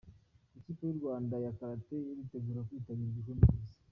Ikipe y’u Rwanda ya Karate iritegura kwitabira igikombe cy’Isi